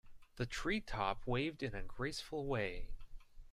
The tree top waved in a graceful way.